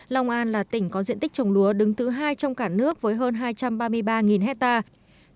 long an là tỉnh có diện tích trồng lúa đứng thứ hai trong cả nước với hơn hai trăm ba mươi ba hectare